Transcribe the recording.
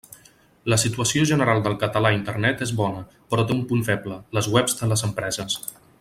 La situació general del català a Internet és bona però té un punt feble, les webs de les empreses.